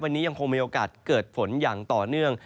วันนี้ยังคงมีโอกาสเกิดฝนอย่างต่อเนื่อง